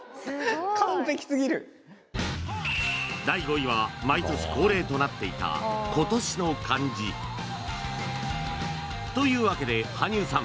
完璧過ぎる第５位は毎年恒例となっていた今年の漢字というわけで羽生さん